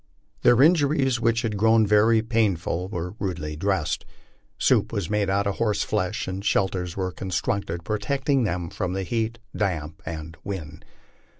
Their injuries, which had grown very painful, were rudely dressed. Soup was made out of horse flesh, and shelters Trere constructed protecting them from the heat, damp, and wind.